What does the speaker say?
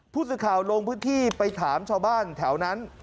ผู้สื่อข่าวลงพื้นที่ไปถามชาวบ้านแถวนั้น